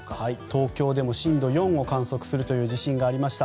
東京でも震度４を観測するという地震がありました。